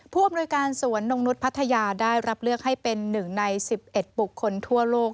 ผู้อำนวยการสวนนงนุษย์พัทยาได้รับเลือกให้เป็น๑ใน๑๑บุคคลทั่วโลก